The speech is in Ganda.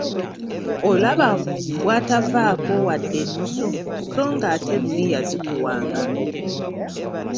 Olaba bw'atavaako wadde ennusu so ng'ate luli yazikuwanga.